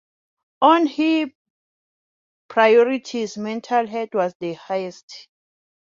Of her priorities, mental health was the highest.